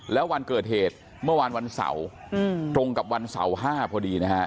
แล้ววันเกิดเหตุเมื่อวานวันเสาร์ตรงกับวันเสาร์๕พอดีนะฮะ